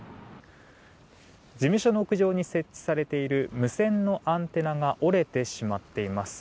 事務所の屋上に設置されている無線のアンテナが折れてしまっています。